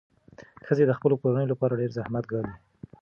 ښځې د خپلو کورنیو لپاره ډېر زحمت ګالي.